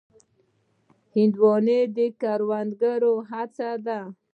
هندوانه د کروندګرو هڅه ده.